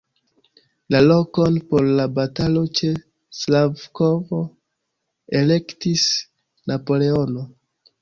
La lokon por la batalo ĉe Slavkov elektis Napoleono.